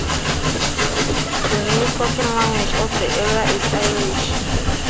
The main spoken language of the area is Irish.